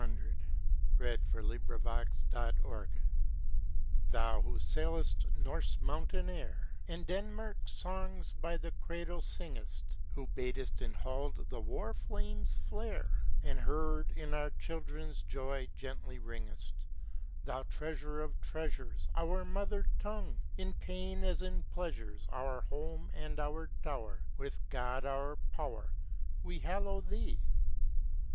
OUR LANGUAGE (1900) (See Note 80) Thou, who sailest Norse mountain air, And Denmark's songs by the cradle singest, Who badest in Hald the war flames flare, And, heard in our children's joy, gently ringest, Thou treasure of treasures, Our mother tongue, In pains as in pleasures Our home and our tower, With God our power, We hallow thee!